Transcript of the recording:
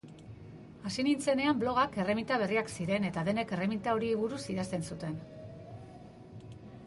Hasi nintzenean blogak erreminta berriak ziren eta denek erreminta horiei buruz idazten zuten.